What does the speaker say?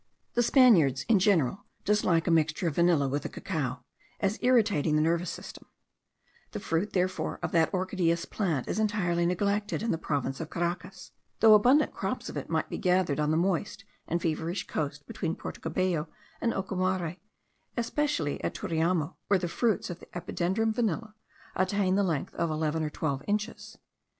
The Spaniards, in general, dislike a mixture of vanilla with the cacao, as irritating the nervous system; the fruit, therefore, of that orchideous plant is entirely neglected in the province of Caracas, though abundant crops of it might be gathered on the moist and feverish coast between Porto Cabello and Ocumare; especially at Turiamo, where the fruits of the Epidendrum vanilla attain the length of eleven or twelve inches.